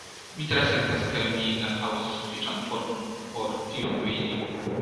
Mi tre sentas, ke mi ne havos sufiĉan forton por tion vidi.